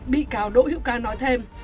bị cáo đỗ hiệu ca nói thêm